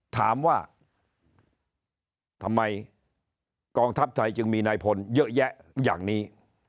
ถามว่าทำไมกองทัพไทยจึงมีนายพลเยอะแยะอย่างนี้